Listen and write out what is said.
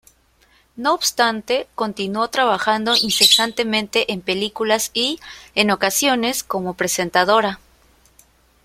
No obstante, continuó trabajando incesantemente en películas y, en ocasiones, como presentadora.